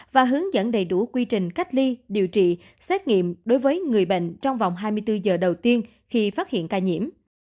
và hướng dẫn đầy đủ quy trình cách ly điều trị xét nghiệm đối với người bệnh trong vòng hai mươi bốn giờ đầu tiên khi phát hiện ca nhiễm